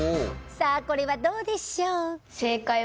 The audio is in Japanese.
さあこれはどうでしょう？